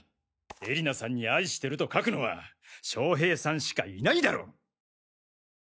絵里菜さんに愛してると書くのは将平さんしかいないだろう。